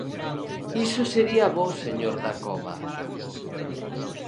Iso sería bo, señor Dacova.